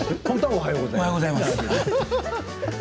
おはようございます。